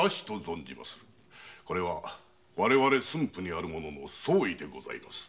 これは我々駿府にある者の総意でございます。